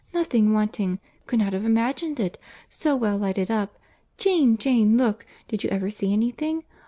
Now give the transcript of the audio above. Nothing wanting. Could not have imagined it.—So well lighted up!—Jane, Jane, look!—did you ever see any thing?